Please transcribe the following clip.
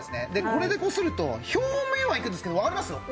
これでこすると表面はいくんですけどわかります？